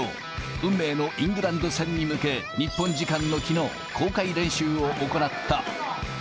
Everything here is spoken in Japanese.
運命のイングランド戦に向け、日本時間のきのう、公開練習を行った。